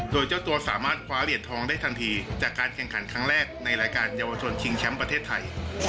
โดยเจ้าตัวสามารถคว้าเหรียญทองได้ทันทีจากการแข่งขันครั้งแรกในรายการเยาวชนชิงแชมป์ประเทศไทย